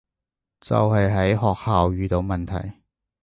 就係喺學校遇到問題